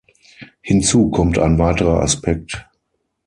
Hinzu kommt ein weiterer Aspekt.